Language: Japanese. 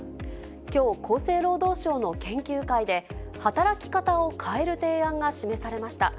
きょう、厚生労働省の研究会で、働き方を変える提案が示されました。